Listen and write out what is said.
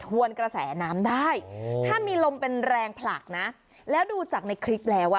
วนกระแสน้ำได้ถ้ามีลมเป็นแรงผลักนะแล้วดูจากในคลิปแล้วอ่ะ